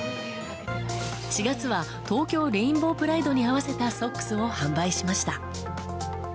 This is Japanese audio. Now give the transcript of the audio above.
４月は東京レインボープライドに合わせたソックスを販売しました。